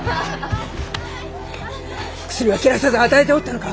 薬は切らさず与えておったのか！